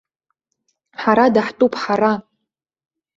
Ҳара даҳтәуп, ҳара!